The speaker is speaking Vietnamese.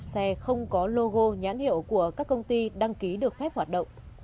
xe không có logo nhãn hiệu của các công ty đăng ký được phép hoạt động